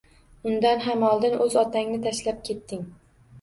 Undan ham oldin o`z otangni tashlab ketding